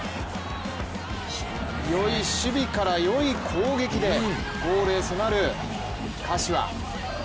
よい守備からよい攻撃でゴールへ迫る柏！